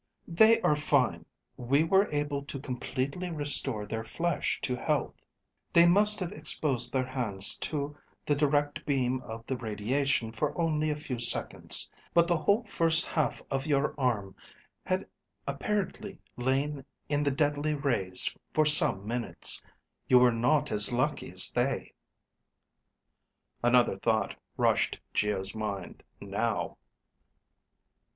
"They are fine. We were able to completely restore their flesh to health. They must have exposed their hands to the direct beam of the radiation for only a few seconds. But the whole first half of your arm had apparently lain in the deadly rays for some minutes. You were not as lucky as they." Another thought rushed Geo's mind now.